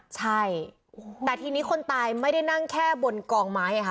ใช่แต่ทีนี้คนตายไม่ได้นั่งแค่บนกองไม้ค่ะ